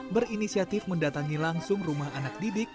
berinisiatif mendatangi langsung rumah anak didik